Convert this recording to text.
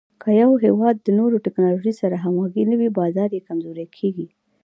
که یو هېواد د نوې ټکنالوژۍ سره همغږی نه وي، بازار یې کمزوری کېږي.